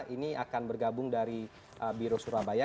ini akan bergabung dari biro surabaya